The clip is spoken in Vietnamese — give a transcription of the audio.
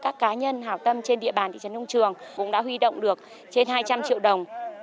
các cá nhân hảo tâm trên địa bàn thị trấn đông trường cũng đã huy động được trên hai trăm linh triệu đồng